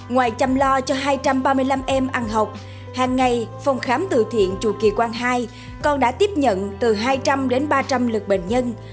ngoài chăm lo cho hai trăm ba mươi năm em ăn học hàng ngày phòng khám tự thiện chùa kỳ quang hai còn đã tiếp nhận từ hai trăm linh đến ba trăm linh lực bệnh nhân